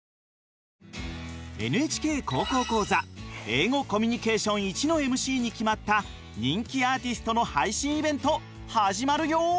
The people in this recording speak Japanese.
「ＮＨＫ高校講座英語コミュニケーションⅠ」のＭＣに決まった人気アーティストの配信イベント始まるよ！